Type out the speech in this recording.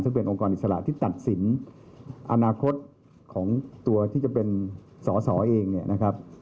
ซึ่งเป็นองค์กรอิสระที่ตัดสินอนาคตของตัวที่จะเป็นสอสอเองเนี่ยนะครับ